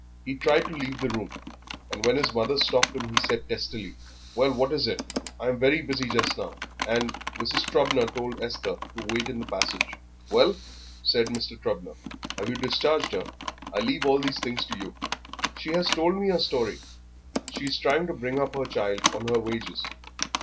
He tried to leave the room, and when his mother stopped him he said testily, "Well, what is it? I am very busy just now, and " Mrs. Trubner told Esther to wait in the passage. "Well," said Mr. Trubner, "have you discharged her? I leave all these things to you." "She has told me her story; she is trying to bring up her child on her wages....